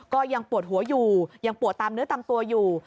ก็ยังปวดหัวอยู่ยังปวดตามเนื้อตามตัวอยู่